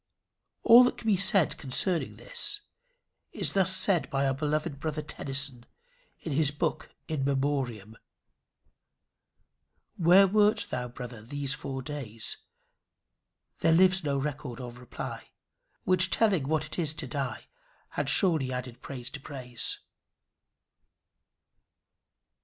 All that can be said concerning this, is thus said by our beloved brother Tennyson in his book In Memoriam: 'Where wert thou, brother, those four days?' There lives no record of reply, Which telling what it is to die, Had surely added praise to praise.